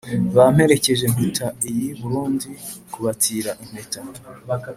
Bamperekeje, Mpita iy’i Burundi kubatira impeta